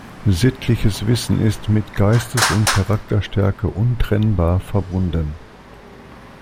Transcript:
Sittliches Wissen ist mit Geistes- und Charakterstärke untrennbar verbunden.